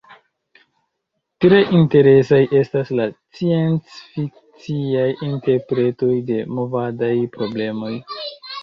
Tre interesaj estas la sciencfikciaj interpretoj de movadaj problemoj.